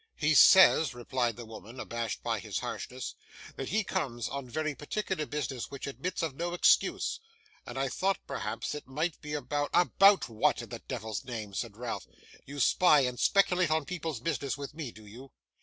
'He says,' replied the woman, abashed by his harshness, 'that he comes on very particular business which admits of no excuse; and I thought perhaps it might be about ' 'About what, in the devil's name?' said Ralph. 'You spy and speculate on people's business with me, do you?